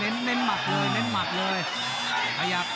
เน้นหมัดเลยเน้นหมัดเลย